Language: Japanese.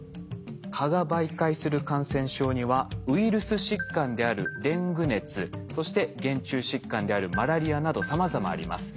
蚊が媒介する感染症にはウイルス疾患であるデング熱そして原虫疾患であるマラリアなどさまざまあります。